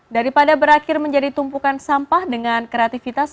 daripada berakhir menjadi tumpukan sampah dengan kreativitas